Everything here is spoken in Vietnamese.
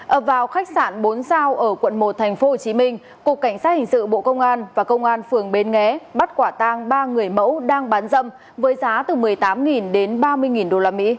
ở vào khách sạn bốn sao ở quận một tp hcm cục cảnh sát hình sự bộ công an và công an phường bến nghé bắt quả tang ba người mẫu đang bán dâm với giá từ một mươi tám đến ba mươi usd